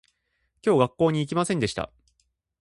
今日学校に行きませんでした